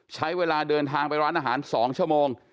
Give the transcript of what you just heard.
ใช้เวลาเดินทางไปร้านอาหาร๒ชั่วโมง